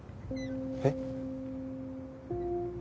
えっ？